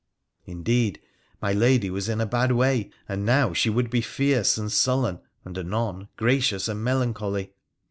Indeed, my lady was in a bad way and now she would be fierce and sullen, and anon gracious and melancholy.